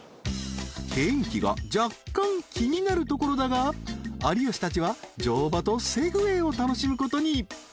［天気が若干気になるところだが有吉たちは乗馬とセグウェイを楽しむことに］